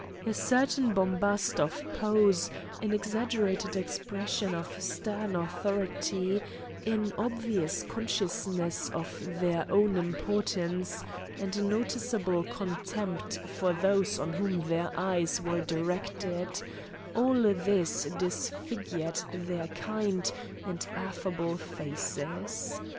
A certain bombast of pose, an exaggerated expression of stern authority, an obvious consciousness of their own importance, and a noticeable contempt for those on whom their eyes were directed all this disfigured their kind and affable faces.